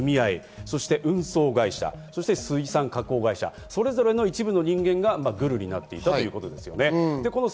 信頼していたはずの組合、そして運送会社、そして水産加工会社、それぞれの一部の人間がグルになっていたということです。